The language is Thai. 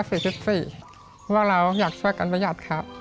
เพราะว่าเราอยากช่วยกันประหยัดครับ